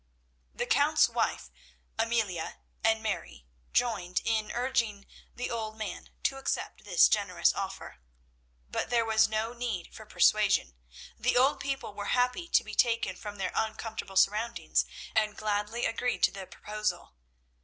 The Count's wife, Amelia and Mary joined in urging the old man to accept this generous offer. But there was no need for persuasion. The old people were happy to be taken from their uncomfortable surroundings, and gladly agreed to the proposal.